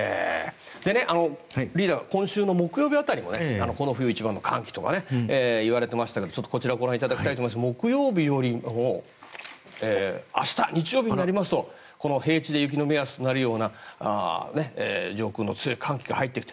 リーダー、今週も木曜日辺りはこの冬一番の寒気といわれていましたがこちらをご覧いただきますと木曜日よりも明日日曜日になりますと平地で雪の目安となる上空に強い寒気が入っていくと。